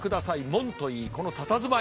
門といいこのたたずまい。